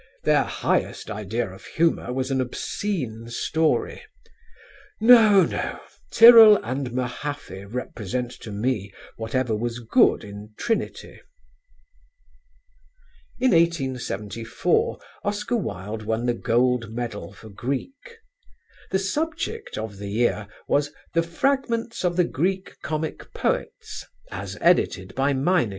Their highest idea of humour was an obscene story. No, no, Tyrrell and Mahaffy represent to me whatever was good in Trinity." In 1874 Oscar Wilde won the gold medal for Greek. The subject of the year was "The Fragments of the Greek Comic Poets, as edited by Meineke."